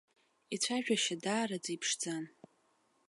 Ицәажәашьа даараӡа иԥшӡан.